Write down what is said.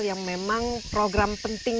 yang memang program penting